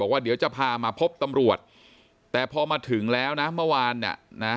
ว่าเดี๋ยวจะพามาพบตำรวจแต่พอมาถึงแล้วนะเมื่อวานเนี่ยนะ